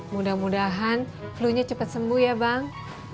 mudah mudahan flunya cepat sembuh ya bang